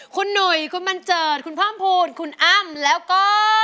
คุณหนุ่ยคุณบันเจิดคุณเพิ่มภูมิคุณอ้ำแล้วก็